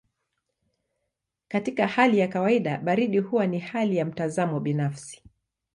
Katika hali ya kawaida baridi huwa ni hali ya mtazamo binafsi.